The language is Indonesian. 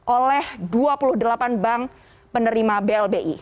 oleh dua puluh delapan bank penerima blbi